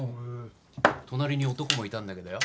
隣に男もいたんだけどよ